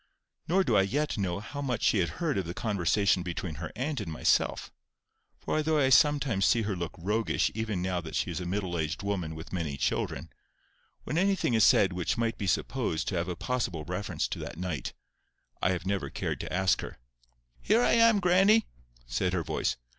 Nor do I yet know how much she had heard of the conversation between her aunt and myself; for although I sometimes see her look roguish even now that she is a middle aged woman with many children, when anything is said which might be supposed to have a possible reference to that night, I have never cared to ask her. "Here I am, grannie," said her voice.